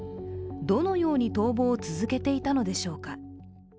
どのように逃亡を続けていたのでしょうか。